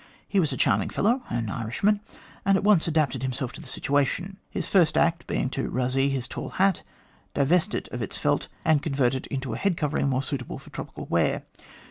He was a charming fellow an Irishman and at once adapted himself to the situation, his first act being to razee his tall hat, divest it of its felt, and convert it into a head covering more suitable for tropical wear.